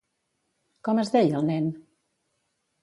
Com es deia el nen?